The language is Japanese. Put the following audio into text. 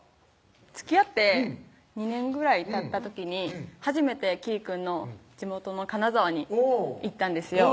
つきあって２年ぐらいたった時に初めてきーくんの地元の金沢に行ったんですよ